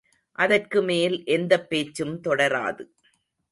அதற்கு மேல் எந்தப் பேச்சும் தொடராது.